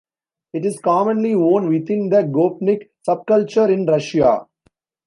It is commonly worn within the "gopnik" subculture in Russia.